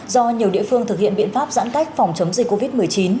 do nhiều địa phương thực hiện biện pháp giãn cách phòng chống dịch covid một mươi chín